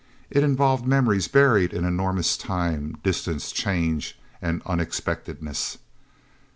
It involved memories buried in enormous time, distance, change, and unexpectedness.